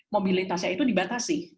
mobilitasnya itu dibatasi